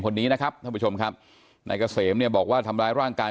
คนนี้นะครับท่านผู้ชมครับนายเกษมเนี่ยบอกว่าทำร้ายร่างกาย